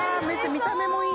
見た目もいい・